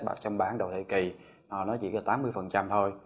bạn chăm bán đầu thời kỳ nó chỉ có tám mươi thôi